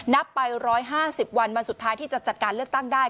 นับไป๑๕๐วันวันสุดท้ายที่จะจัดการเลือกตั้งได้